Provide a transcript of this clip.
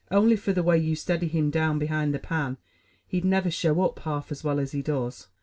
Only for the way you steady him down behind the pan, he'd never show up half as well as he does."